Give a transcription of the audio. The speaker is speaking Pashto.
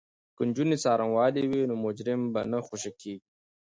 که نجونې څارنوالې وي نو مجرم به نه خوشې کیږي.